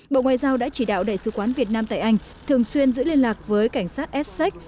bộ ngoại giao đã chỉ đạo đại sứ quán việt nam tại anh thường xuyên giữ liên lạc với cảnh sát ssec